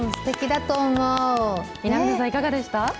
南野さん、いかがでした？